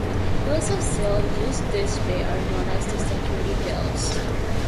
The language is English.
Bills of sale used in this way are known as "security bills".